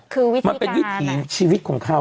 คือวิธีการมันเป็นวิธีชีวิตของเขา